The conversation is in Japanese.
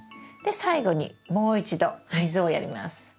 で最後にもう一度水をやります。